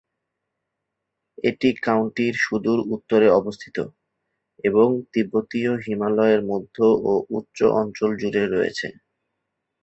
এটি কাউন্টির সুদূর উত্তরে অবস্থিত এবং তিব্বতীয় হিমালয়ের মধ্য ও উচ্চ অঞ্চল জুড়ে রয়েছে।